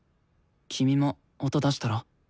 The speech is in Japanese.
君も音出したら？